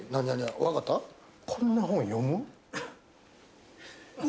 こんな本、読む？